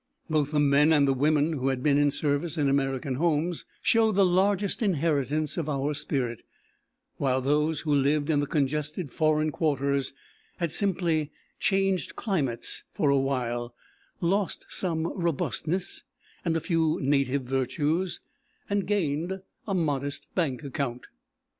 Both the men and the women who had been in service in American homes showed the largest inheritance of our spirit; while those who lived in the congested foreign quarters had simply changed climates for a while, lost some robustness and a few native virtues, and gained a modest bank account.